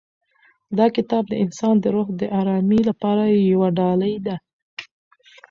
دا کتاب د انسان د روح د ارامۍ لپاره یوه ډالۍ ده.